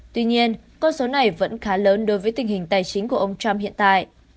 tuy nhiên con số này vẫn khá lớn đối với tình hình tài chính của ông trump hiện tại